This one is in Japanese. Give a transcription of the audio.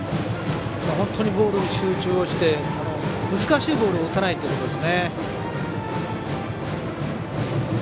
本当にボールに集中して難しいボールを打たないということです。